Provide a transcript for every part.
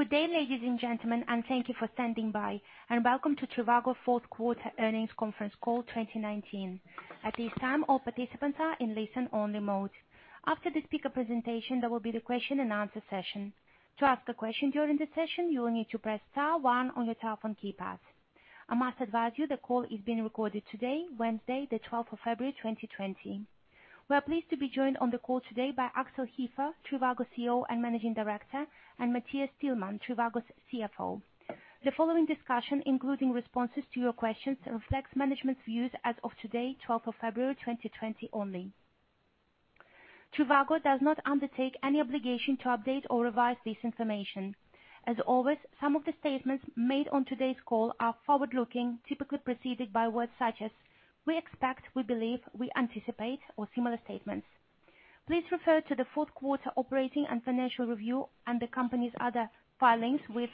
Good day, ladies and gentlemen, thank you for standing by, welcome to trivago Q4 earnings conference call 2019. At this time, all participants are in listen-only mode. After the speaker presentation, there will be the question-and-answer session. To ask a question during the session, you will need to press star one on your telephone keypad. I must advise you the call is being recorded today, Wednesday, the February 12th, 2020. We are pleased to be joined on the call today by Axel Hefer, trivago CEO and Managing Director, Matthias Tillmann, trivago's CFO. The following discussion, including responses to your questions, reflects management's views as of today, February 12th, 2020 only. trivago does not undertake any obligation to update or revise this information. As always, some of the statements made on today's call are forward-looking, typically preceded by words such as "we expect," "we believe," "we anticipate," or similar statements. Please refer to the Q4 operating and financial review and the company's other filings with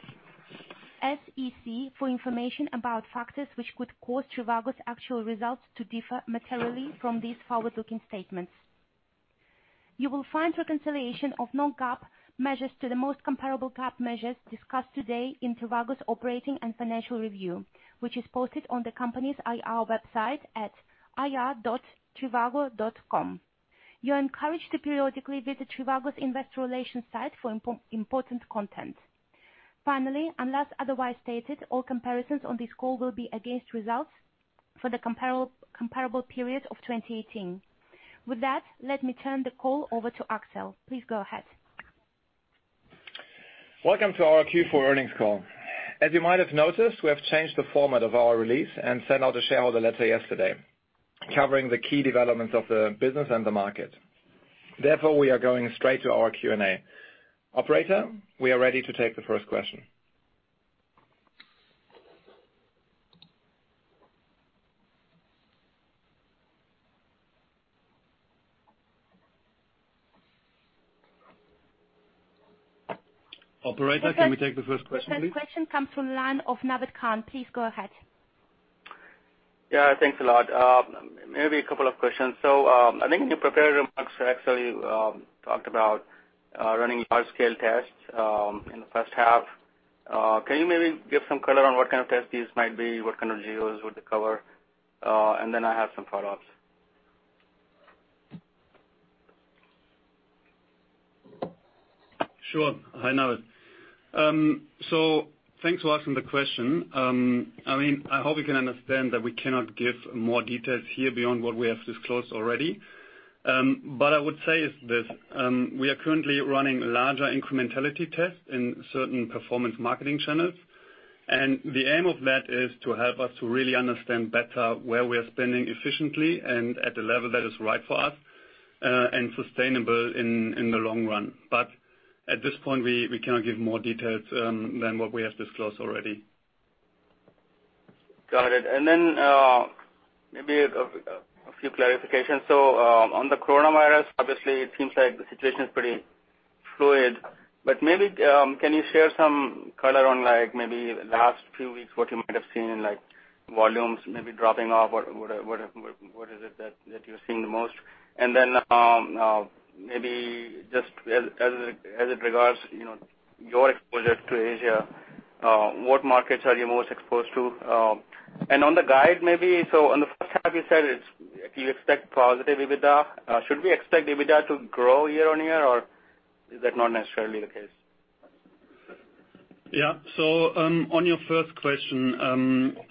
SEC for information about factors which could cause trivago's actual results to differ materially from these forward-looking statements. You will find reconciliation of non-GAAP measures to the most comparable GAAP measures discussed today in trivago's operating and financial review, which is posted on the company's IR website at ir.trivago.com. You are encouraged to periodically visit trivago's investor relations site for important content. Finally, unless otherwise stated, all comparisons on this call will be against results for the comparable period of 2018. With that, let me turn the call over to Axel. Please go ahead. Welcome to our Q4 earnings call. As you might have noticed, we have changed the format of our release and sent out a shareholder letter yesterday covering the key developments of the business and the market. We are going straight to our Q&A. Operator, we are ready to take the first question. The first- Operator, can we take the first question, please? The first question comes from line of Naved Khan. Please go ahead. Yeah, thanks a lot. Maybe a couple of questions. I think in your prepared remarks, Axel, you talked about running large-scale tests in the H1. Can you maybe give some color on what kind of test these might be? What kind of geos would they cover? Then I have some follow-ups. Sure. Hi, Naved. Thanks for asking the question. I hope you can understand that we cannot give more details here beyond what we have disclosed already. I would say is this, we are currently running larger incrementality tests in certain performance marketing channels, and the aim of that is to help us to really understand better where we are spending efficiently and at the level that is right for us, and sustainable in the long run. At this point, we cannot give more details than what we have disclosed already. Got it. Maybe a few clarifications. On the coronavirus, obviously, it seems like the situation is pretty fluid, but maybe, can you share some color on maybe the last few weeks, what you might have seen in volumes maybe dropping off or what is it that you're seeing the most? Maybe just as it regards your exposure to Asia, what markets are you most exposed to? On the guide, maybe, on the H1 you said you expect positive EBITDA. Should we expect EBITDA to grow year-on-year, or is that not necessarily the case? Yeah. On your first question,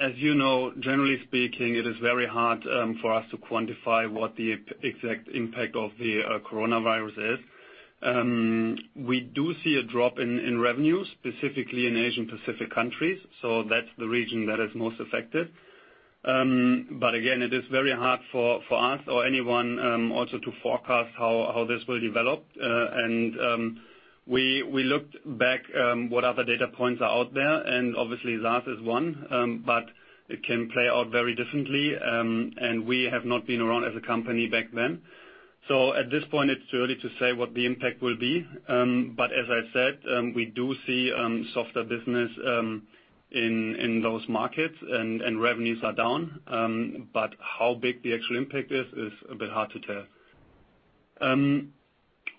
as you know, generally speaking, it is very hard for us to quantify what the exact impact of the coronavirus is. We do see a drop in revenue, specifically in Asian Pacific countries, so that's the region that is most affected. Again, it is very hard for us or anyone also to forecast how this will develop. We looked back what other data points are out there, and obviously SARS is one, but it can play out very differently. We have not been around as a company back then. At this point, it's too early to say what the impact will be. As I said, we do see softer business in those markets and revenues are down. How big the actual impact is a bit hard to tell.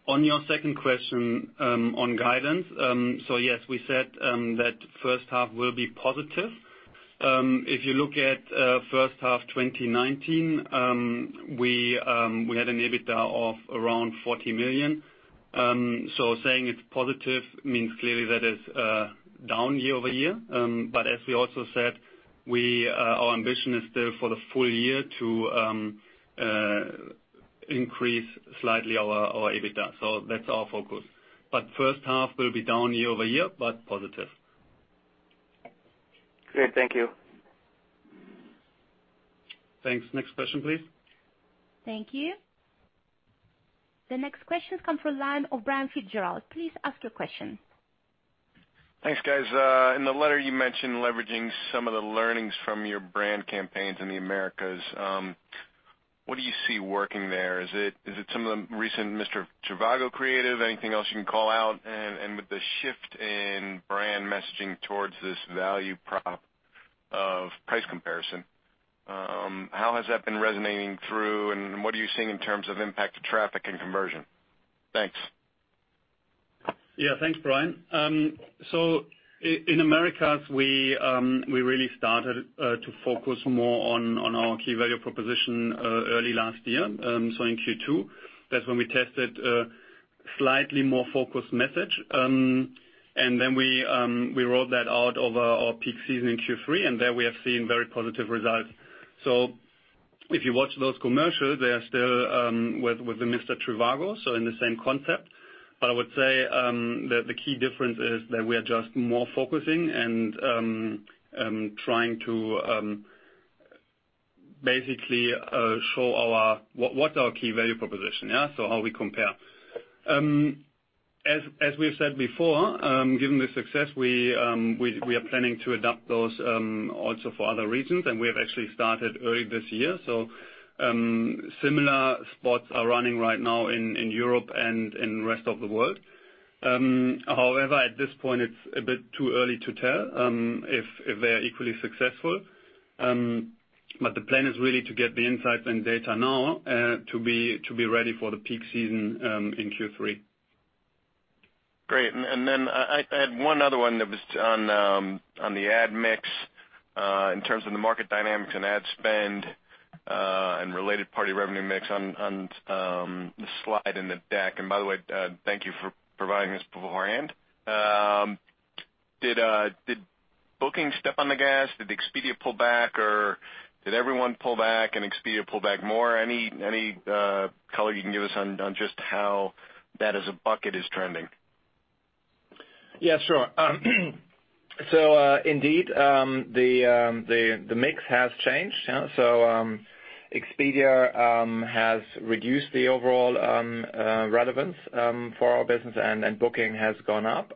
On your second question, on guidance. Yes, we said that H1 will be positive. If you look at H1 2019, we had an EBITDA of around 40 million. Saying it's positive means clearly that is down year-over-year. As we also said, our ambition is still for the full year to increase slightly our EBITDA. That's our focus. H1 will be down year-over-year, but positive. Great. Thank you. Thanks. Next question, please. Thank you. The next question comes from line of Brian Fitzgerald. Please ask your question. Thanks, guys. In the letter, you mentioned leveraging some of the learnings from your brand campaigns in the Americas. What do you see working there? Is it some of the recent Mr. trivago creative? Anything else you can call out? With the shift in messaging towards this value prop of price comparison, how has that been resonating through, and what are you seeing in terms of impact to traffic and conversion? Thanks. Thanks, Brian. In Americas, we really started to focus more on our key value proposition early last year, in Q2. That's when we tested a slightly more focused message. Then we rolled that out over our peak season in Q3, and there we have seen very positive results. If you watch those commercials, they are still with the Mr. trivago, so in the same concept. I would say, the key difference is that we are just more focusing and trying to basically show what our key value proposition is. How we compare. As we have said before, given the success, we are planning to adopt those also for other regions, and we have actually started early this year. Similar spots are running right now in Europe and in rest of the world. At this point, it's a bit too early to tell if they're equally successful. The plan is really to get the insight and data now to be ready for the peak season in Q3. Great. I had one other one that was on the ad mix, in terms of the market dynamics and ad spend, and related party revenue mix on the slide in the deck. By the way, thank you for providing this beforehand. Did Booking step on the gas? Did Expedia pull back, or did everyone pull back and Expedia pull back more? Any color you can give us on just how that as a bucket is trending? Yeah, sure. Indeed, the mix has changed. Expedia has reduced the overall relevance for our business and Booking has gone up.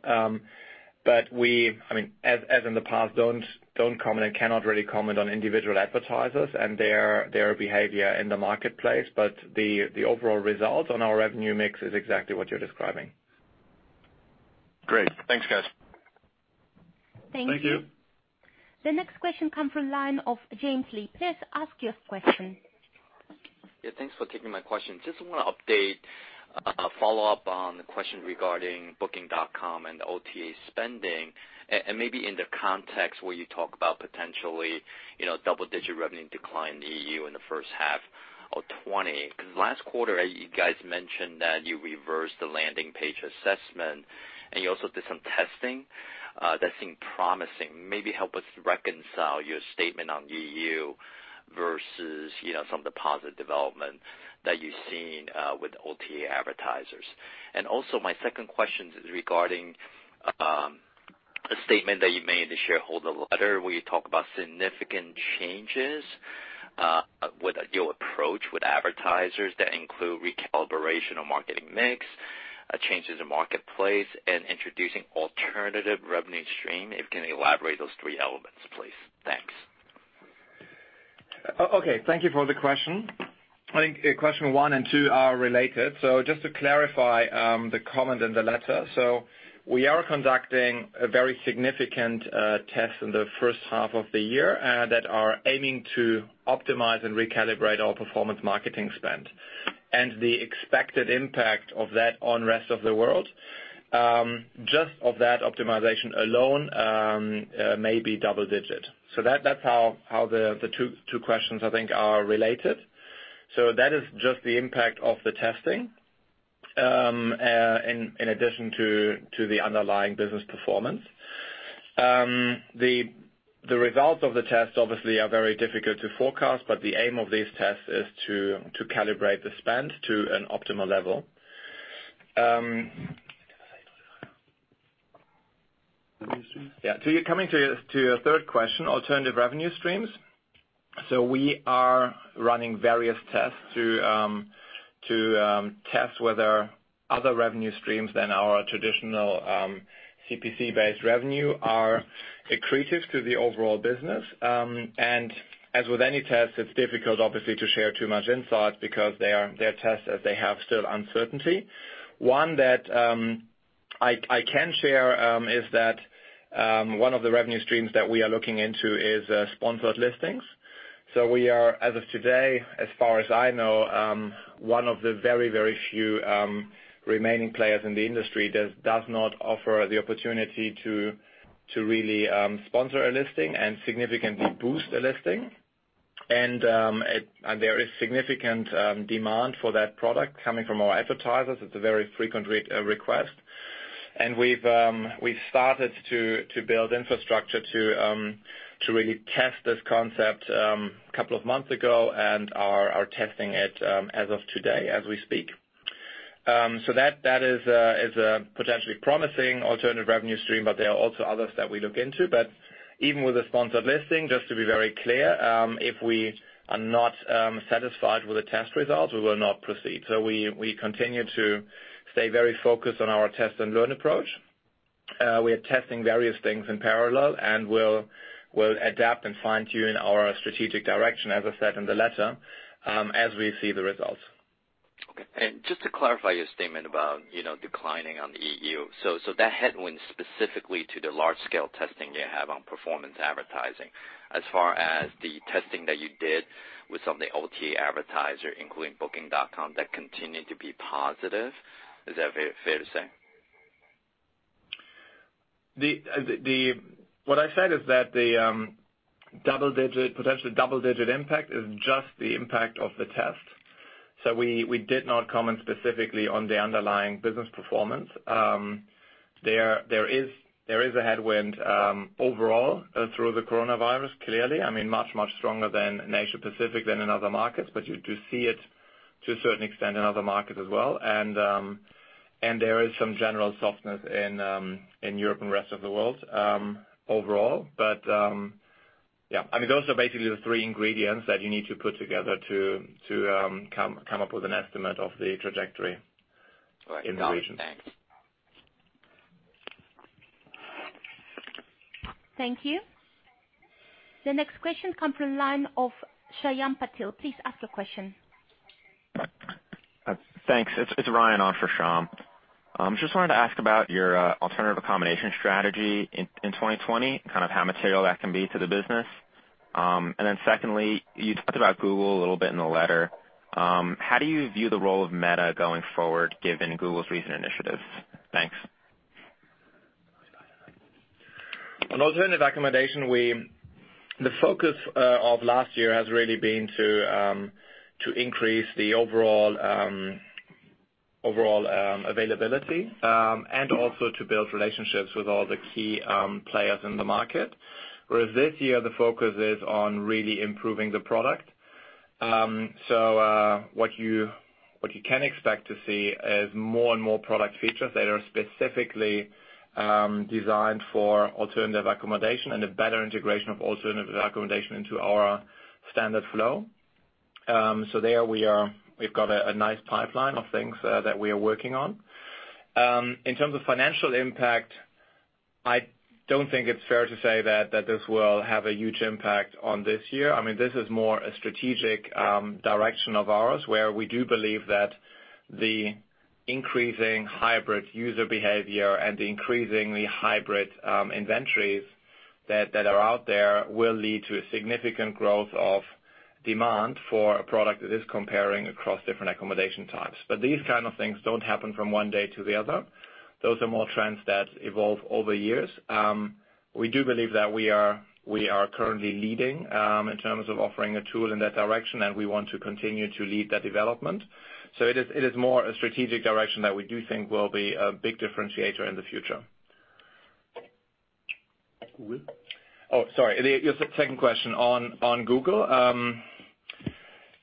We, as in the past, don't comment and cannot really comment on individual advertisers and their behavior in the marketplace. The overall result on our revenue mix is exactly what you're describing. Great. Thanks, guys. Thank you. Thank you. The next question come from line of James Lee. Please ask your question. Yeah. Thanks for taking my question. Just want to update, follow-up on the question regarding Booking.com and the OTA spending, and maybe in the context where you talk about potentially double-digit revenue decline in EU in the H1 of 2020. Last quarter, you guys mentioned that you reversed the landing page assessment, and you also did some testing that seemed promising. Maybe help us reconcile your statement on EU versus some of the positive development that you've seen with OTA advertisers. Also my second question is regarding a statement that you made in the shareholder letter, where you talk about significant changes, with your approach with advertisers that include recalibration of marketing mix, changes in marketplace, and introducing alternative revenue stream. If you can elaborate those three elements, please. Thanks. Okay. Thank you for the question. I think question one and two are related. Just to clarify the comment in the letter. We are conducting a very significant test in the H1 of the year that are aiming to optimize and recalibrate our performance marketing spend. The expected impact of that on developed Europe, just of that optimization alone, may be double-digit. That's how the two questions I think are related. That is just the impact of the testing, in addition to the underlying business performance. The results of the test obviously are very difficult to forecast, but the aim of these tests is to calibrate the spend to an optimal level. Coming to your third question, alternative revenue streams. We are running various tests to test whether other revenue streams than our traditional CPC-based revenue are accretive to the overall business. As with any test, it's difficult obviously to share too much insight because they are tests as they have still uncertainty. One that I can share is that one of the revenue streams that we are looking into is sponsored listings. We are, as of today, as far as I know, one of the very, very few remaining players in the industry that does not offer the opportunity to really sponsor a listing and significantly boost a listing. There is significant demand for that product coming from our advertisers. It's a very frequent request. We've started to build infrastructure to really test this concept a couple of months ago and are testing it as of today as we speak. That is a potentially promising alternative revenue stream, but there are also others that we look into. Even with a sponsored listing, just to be very clear, if we are not satisfied with the test results, we will not proceed. We continue to stay very focused on our test-and-learn approach. We are testing various things in parallel, and we'll adapt and fine-tune our strategic direction, as I said in the letter, as we see the results. Okay. Just to clarify your statement about declining on the EU. That headwind is specifically to the large-scale testing you have on performance advertising. As far as the testing that you did with some of the OTA advertisers, including Booking.com, that continued to be positive. Is that fair to say? What I said is that the potential double-digit impact is just the impact of the test. We did not comment specifically on the underlying business performance. There is a headwind overall through the coronavirus, clearly. Much, much stronger than Asia Pacific than in other markets, but you do see it to a certain extent in other markets as well. There is some general softness in Europe and the rest of the world overall. Yeah. Those are basically the three ingredients that you need to put together to come up with an estimate of the trajectory in the region. Got it. Thanks. Thank you. The next question comes from the line of Shyam Patil. Please ask your question. Thanks. It's Ryan on for Shyam. Just wanted to ask about your alternative accommodation strategy in 2020, and how material that can be to the business. Secondly, you talked about Google a little bit in the letter. How do you view the role of metasearch going forward, given Google's recent initiatives? Thanks. On alternative accommodation, the focus of last year has really been to increase the overall availability, and also to build relationships with all the key players in the market. Whereas this year, the focus is on really improving the product. What you can expect to see is more and more product features that are specifically designed for alternative accommodation and a better integration of alternative accommodation into our standard flow. There, we've got a nice pipeline of things that we are working on. In terms of financial impact, I don't think it's fair to say that this will have a huge impact on this year. This is more a strategic direction of ours, where we do believe that the increasing hybrid user behavior and the increasingly hybrid inventories that are out there will lead to a significant growth of demand for a product that is comparing across different accommodation types. These kinds of things don't happen from one day to the other. Those are more trends that evolve over years. We do believe that we are currently leading in terms of offering a tool in that direction, and we want to continue to lead that development. It is more a strategic direction that we do think will be a big differentiator in the future. Google? Oh, sorry. Your second question on Google.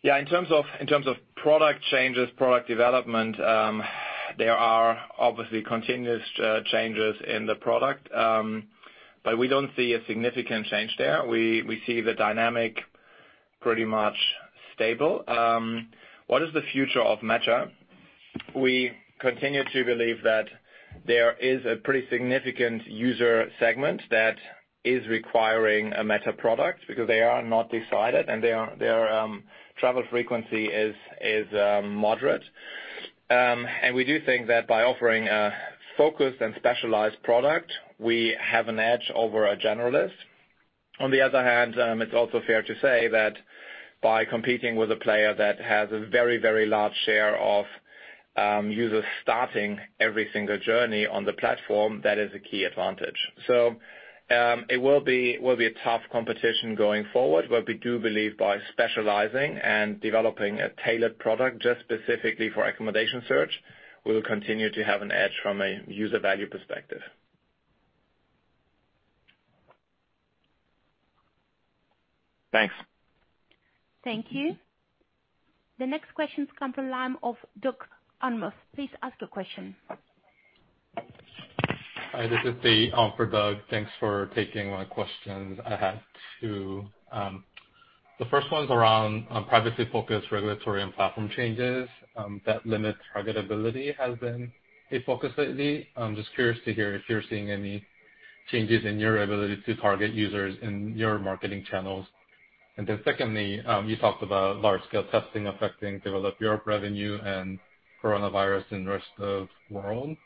Yeah, in terms of product changes, product development, there are obviously continuous changes in the product. We don't see a significant change there. We see the dynamic pretty much stable. What is the future of metasearch? We continue to believe that there is a pretty significant user segment that is requiring a metasearch product because they are not decided and their travel frequency is moderate. We do think that by offering a focused and specialized product, we have an edge over a generalist. On the other hand, it's also fair to say that by competing with a player that has a very large share of users starting every single journey on the platform, that is a key advantage. It will be a tough competition going forward. We do believe by specializing and developing a tailored product just specifically for accommodation search, we will continue to have an edge from a user value perspective. Thanks. Thank you. The next question comes from the line of Doug Anmuth. Please ask your question. Hi, this is Dae for Doug. Thanks for taking my questions. I had two. The first one's around privacy-focused regulatory and platform changes that limit targetability has been a focus lately. I'm just curious to hear if you're seeing any changes in your ability to target users in your marketing channels. Secondly, you talked about large-scale testing affecting Developed Europe revenue and coronavirus in the rest of the world.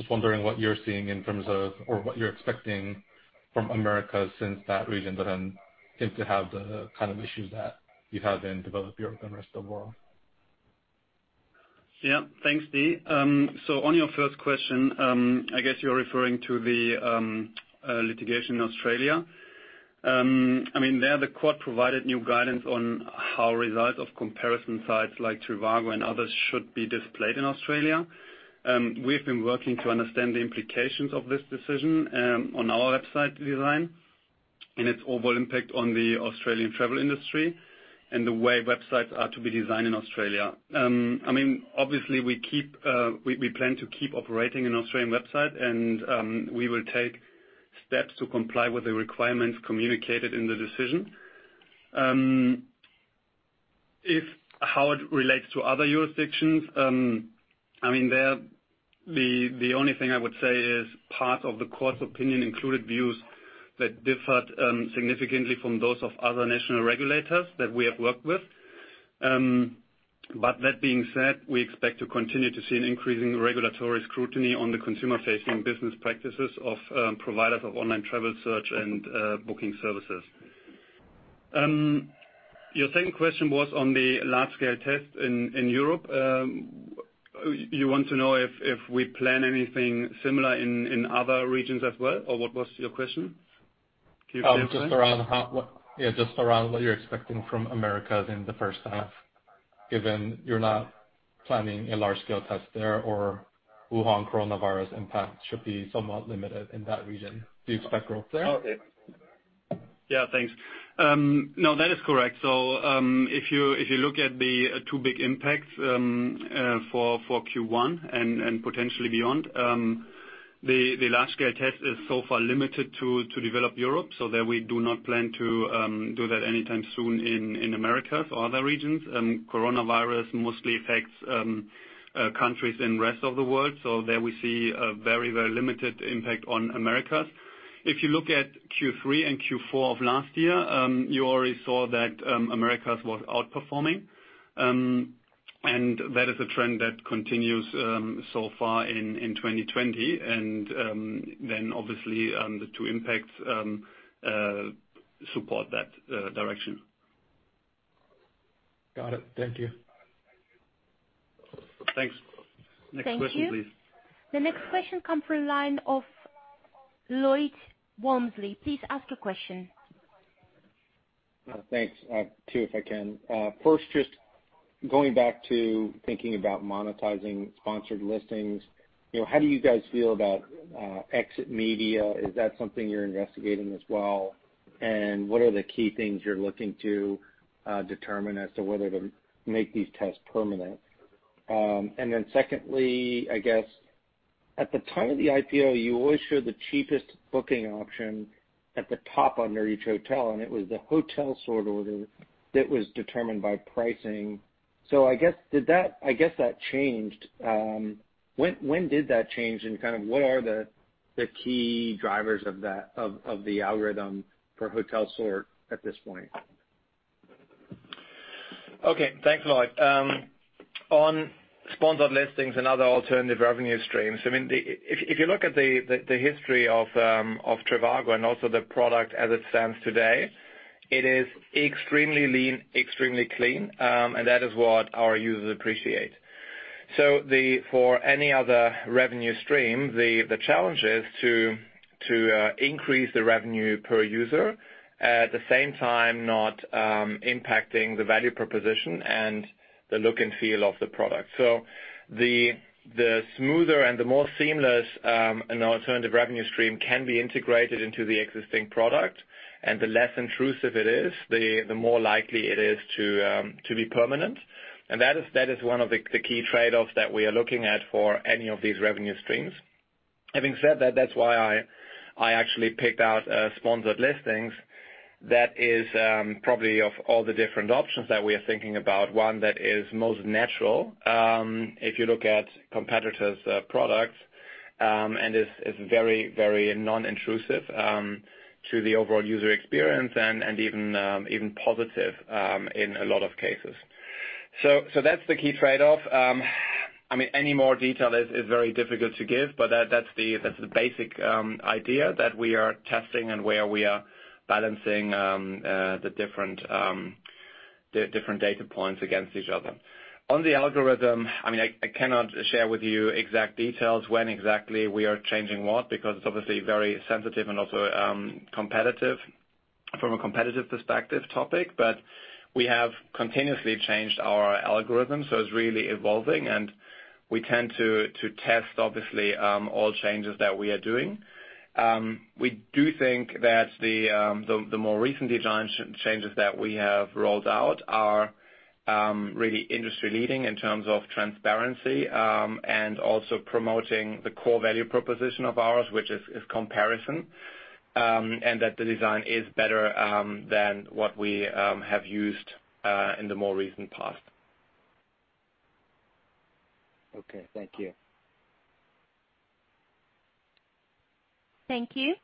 Just wondering what you're seeing in terms of, or what you're expecting from Americas since that region doesn't seem to have the kind of issues that you have in Developed Europe and the rest of the world. Yeah. Thanks, Dae. On your first question, I guess you're referring to the litigation in Australia. There the court provided new guidance on how results of comparison sites like trivago and others should be displayed in Australia. We've been working to understand the implications of this decision on our website design and its overall impact on the Australian travel industry and the way websites are to be designed in Australia. Obviously, we plan to keep operating an Australian website, and we will take steps to comply with the requirements communicated in the decision. How it relates to other jurisdictions, there- The only thing I would say is part of the court's opinion included views that differed significantly from those of other national regulators that we have worked with. That being said, we expect to continue to see an increasing regulatory scrutiny on the consumer-facing business practices of providers of online travel search and booking services. Your second question was on the large-scale test in Europe. You want to know if we plan anything similar in other regions as well, or what was your question? Can you say again? Just around what you're expecting from Americas in the H1, given you're not planning a large-scale test there, or Wuhan coronavirus impact should be somewhat limited in that region. Do you expect growth there? Yeah, thanks. No, that is correct. If you look at the two big impacts for Q1 and potentially beyond, the large-scale test is so far limited to developed Europe, there we do not plan to do that anytime soon in Americas or other regions. Coronavirus mostly affects countries in rest of the world. There we see a very limited impact on Americas. If you look at Q3 and Q4 of last year, you already saw that Americas was outperforming. That is a trend that continues so far in 2020. Obviously, the two impacts support that direction. Got it. Thank you. Thanks. Next question, please. Thank you. The next question come from line of Lloyd Walmsley. Please ask a question. Thanks. Two, if I can. First, just going back to thinking about monetizing sponsored listings. How do you guys feel about exit media? Is that something you're investigating as well? What are the key things you're looking to determine as to whether to make these tests permanent? Secondly, I guess at the time of the IPO, you always show the cheapest booking option at the top under each hotel, and it was the hotel sort order that was determined by pricing. I guess that changed. When did that change, and what are the key drivers of the algorithm for hotel sort at this point? Okay. Thanks, Lloyd. On sponsored listings and other alternative revenue streams, if you look at the history of trivago and also the product as it stands today, it is extremely lean, extremely clean, and that is what our users appreciate. For any other revenue stream, the challenge is to increase the revenue per user, at the same time, not impacting the value proposition and the look and feel of the product. The smoother and the more seamless an alternative revenue stream can be integrated into the existing product, and the less intrusive it is, the more likely it is to be permanent. That is one of the key trade-offs that we are looking at for any of these revenue streams. Having said that's why I actually picked out sponsored listings. That is probably of all the different options that we are thinking about, one that is most natural, if you look at competitors' products, and is very non-intrusive to the overall user experience, and even positive in a lot of cases. That's the key trade-off. Any more detail is very difficult to give, but that's the basic idea that we are testing and where we are balancing the different data points against each other. On the algorithm, I cannot share with you exact details, when exactly we are changing what, because it's obviously very sensitive and also from a competitive perspective topic. We have continuously changed our algorithm, so it's really evolving, and we tend to test, obviously, all changes that we are doing. We do think that the more recent design changes that we have rolled out are really industry-leading in terms of transparency, and also promoting the core value proposition of ours, which is comparison, and that the design is better than what we have used in the more recent past. Okay. Thank you. Thank you.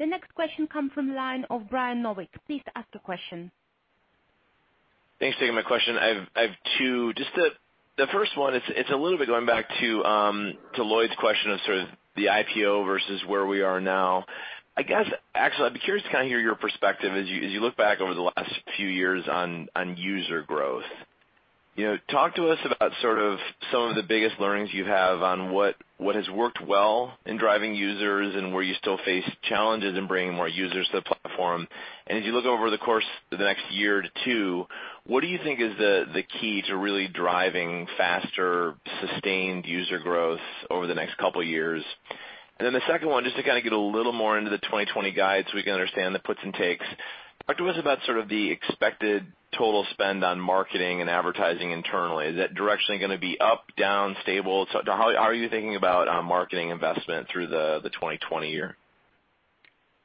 The next question comes from the line of Brian Nowak. Please ask the question. Thanks for taking my question. I have two. The first one, it's a little bit going back to Lloyd's question of sort of the IPO versus where we are now. I guess, actually, I'd be curious to hear your perspective as you look back over the last few years on user growth. Talk to us about some of the biggest learnings you have on what has worked well in driving users and where you still face challenges in bringing more users to the platform. As you look over the course of the next year to two, what do you think is the key to really driving faster, sustained user growth over the next couple of years? The second one, just to get a little more into the 2020 guide so we can understand the puts and takes. Talk to us about the expected total spend on marketing and advertising internally. Is that directionally going to be up, down, stable? How are you thinking about marketing investment through the 2020 year?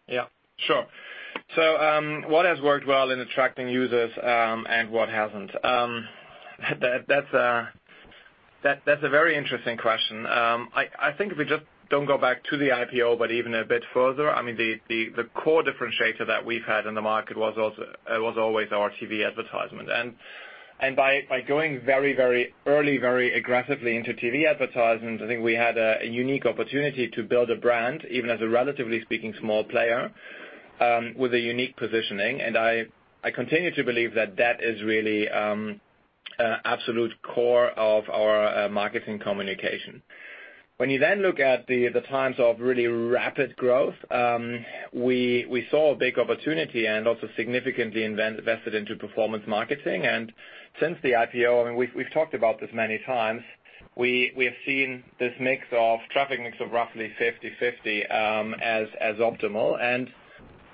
Yeah, sure. What has worked well in attracting users, and what hasn't? That's a very interesting question. I think if we just don't go back to the IPO, but even a bit further, the core differentiator that we've had in the market was always our TV advertisement. By going very, very early, very aggressively into TV advertisements, I think we had a unique opportunity to build a brand, even as a relatively speaking, small player, with a unique positioning. I continue to believe that that is really absolute core of our marketing communication. When you then look at the times of really rapid growth, we saw a big opportunity and also significantly invested into performance marketing. Since the IPO, and we've talked about this many times, we have seen this traffic mix of roughly 50/50, as optimal.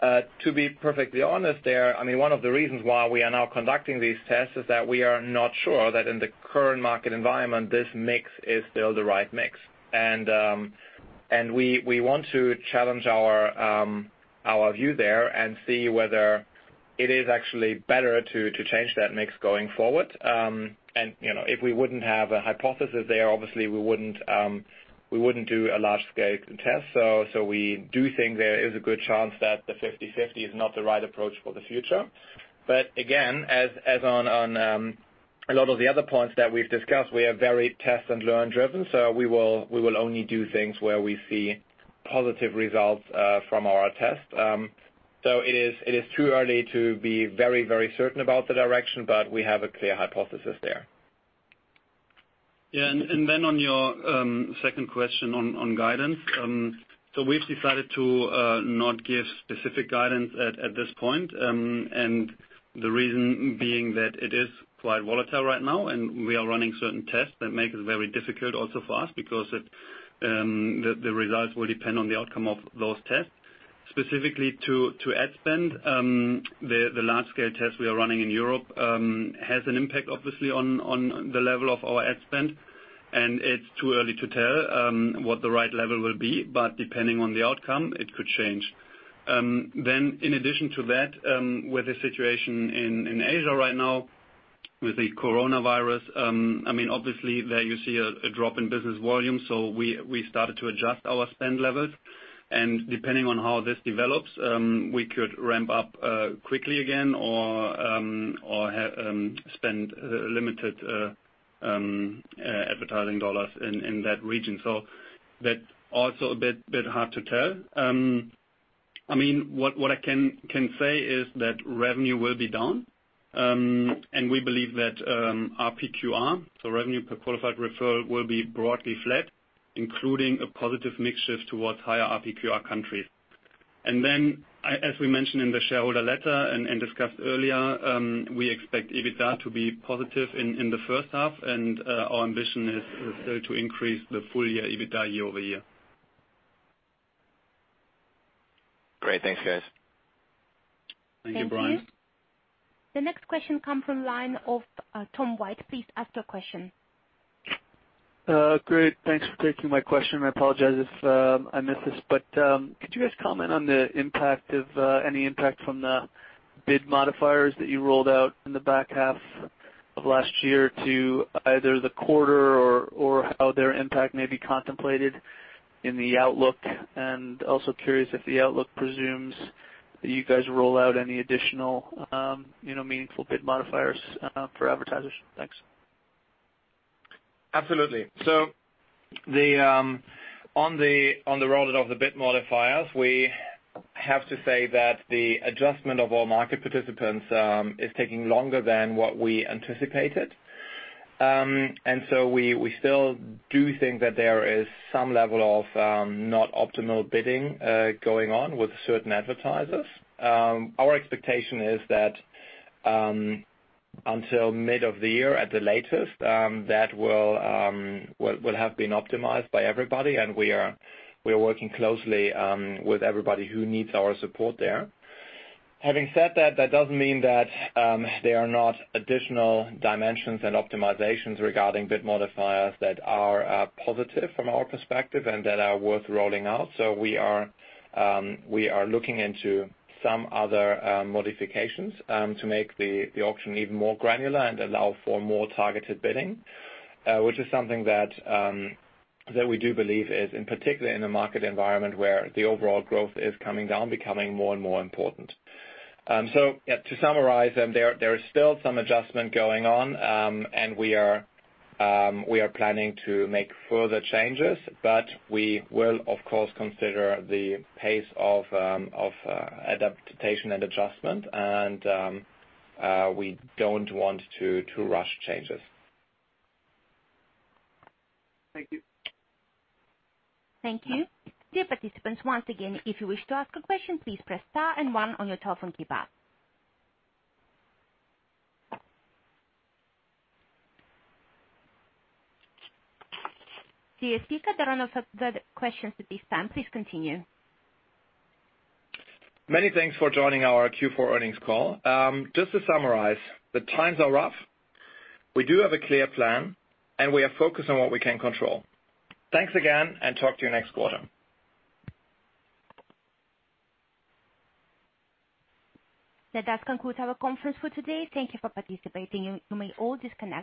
To be perfectly honest there, one of the reasons why we are now conducting these tests is that we are not sure that in the current market environment, this mix is still the right mix. We want to challenge our view there and see whether it is actually better to change that mix going forward. If we wouldn't have a hypothesis there, obviously we wouldn't do a large-scale test. We do think there is a good chance that the 50/50 is not the right approach for the future. Again, as on a lot of the other points that we've discussed, we are very test and learn-driven. We will only do things where we see positive results from our test. It is too early to be very, very certain about the direction, but we have a clear hypothesis there. Yeah. Then on your second question on guidance. We've decided to not give specific guidance at this point. The reason being that it is quite volatile right now, and we are running certain tests that make it very difficult also for us because the results will depend on the outcome of those tests. Specifically to ad spend, the large-scale tests we are running in Europe, has an impact, obviously, on the level of our ad spend, and it's too early to tell what the right level will be. Depending on the outcome, it could change. In addition to that, with the situation in Asia right now with the coronavirus, obviously there you see a drop in business volume. We started to adjust our spend levels. Depending on how this develops, we could ramp up quickly again or spend limited advertising euros in that region. That's also a bit hard to tell. What I can say is that revenue will be down, and we believe that RPQR, so Revenue per Qualified Referral, will be broadly flat, including a positive mix shift towards higher RPQR countries. As we mentioned in the shareholder letter and discussed earlier, we expect EBITDA to be positive in the H1, and our ambition is still to increase the full-year EBITDA year-over-year. Great. Thanks, guys. Thank you, Brian. Thank you. The next question come from line of Tom White. Please ask your question. Great. Thanks for taking my question. I apologize if I missed this, but could you guys comment on any impact from the bid modifiers that you rolled out in the back half of last year to either the quarter or how their impact may be contemplated in the outlook? Also curious if the outlook presumes that you guys roll out any additional meaningful bid modifiers for advertisers. Thanks. Absolutely. On the roll out of the bid modifiers, we have to say that the adjustment of all market participants is taking longer than what we anticipated. We still do think that there is some level of not optimal bidding going on with certain advertisers. Our expectation is that until mid of the year at the latest, that will have been optimized by everybody, and we are working closely with everybody who needs our support there. Having said that doesn't mean that there are not additional dimensions and optimizations regarding bid modifiers that are positive from our perspective and that are worth rolling out. We are looking into some other modifications to make the auction even more granular and allow for more targeted bidding, which is something that we do believe is in particular in the market environment where the overall growth is coming down, becoming more and more important. To summarize, there is still some adjustment going on, and we are planning to make further changes, but we will, of course, consider the pace of adaptation and adjustment, and we don't want to rush changes. Thank you. Thank you. Dear participants, once again, if you wish to ask a question, please press star and one on your telephone keypad. Dear speaker, there are no further questions at this time. Please continue. Many thanks for joining our Q4 earnings call. Just to summarize, the times are rough. We do have a clear plan, and we are focused on what we can control. Thanks again, and talk to you next quarter. That does conclude our conference for today. Thank you for participating. You may all disconnect.